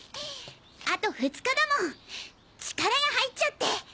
あと２日だもん力が入っちゃって！